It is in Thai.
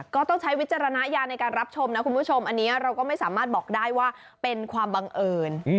ก็ต้องใช้วิจารณญาณในการรับชมนะคุณผู้ชมอันนี้เราก็ไม่สามารถบอกได้ว่าเป็นความบังเอิญ